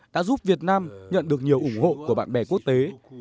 đã giúp việt nam nhận được nhiều ủng hộ của bạn bè quốc tế